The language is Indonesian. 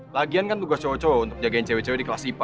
lagian kan tugas cowok cowok untuk jagain cewek cewek di kelas ipa